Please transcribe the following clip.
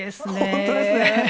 本当ですね。